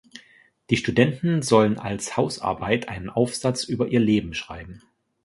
Die Studenten sollen als Hausarbeit einen Aufsatz über ihr Leben schreiben.